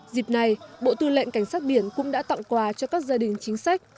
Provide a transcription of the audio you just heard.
dịp này bộ tư lệnh cảnh sát biển cũng đã tặng quà cho các gia đình chính sách